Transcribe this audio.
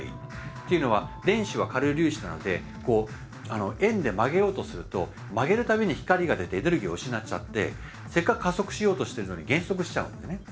というのは電子は軽い粒子なので円で曲げようとすると曲げるたびに光が出てエネルギーを失っちゃってせっかく加速しようとしてるのに減速しちゃうんですね。